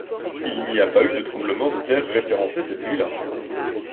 Il n’y a pas eu de tremblement de terre référencé cette nuit-là.